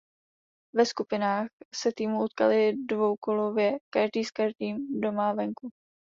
Ve skupinách se týmy utkaly dvoukolově každý s každým doma a venku.